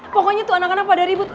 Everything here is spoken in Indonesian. pokoknya tuh anak anak pada ribut